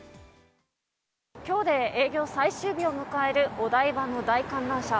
今日で営業最終日を迎えるお台場の大観覧車。